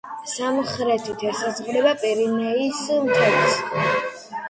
სამხრეთით ესაზღვრება პირინეის მთებს.